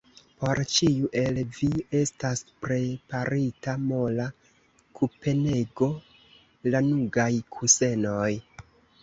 Por ĉiu el vi estas preparita mola kusenego, lanugaj kusenoj!